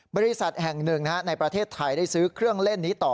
บริษัทแห่งหนึ่งในประเทศไทยได้ซื้อเครื่องเล่นนี้ต่อ